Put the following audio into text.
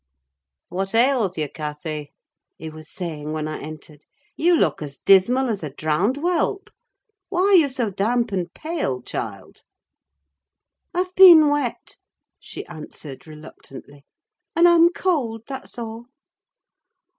"What ails you, Cathy?" he was saying when I entered: "you look as dismal as a drowned whelp. Why are you so damp and pale, child?" "I've been wet," she answered reluctantly, "and I'm cold, that's all."